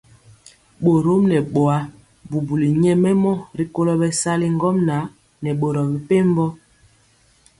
Borɔm nɛ bɔa bubuli nyɛmemɔ rikolo bɛsali ŋgomnaŋ nɛ boro mepempɔ.